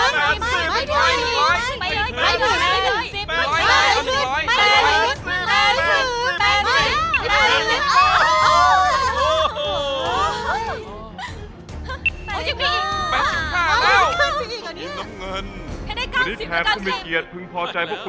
ร้อยละแปดสิบห้า